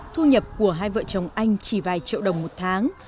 thu nhập của hai vợ chồng anh chỉ vài triệu đồng một tháng